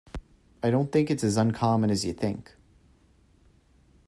I don't think it's as uncommon as you think.